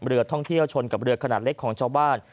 เรือท่องเที่ยวชนกับเรือขนาดเล็กของชาวบ้าน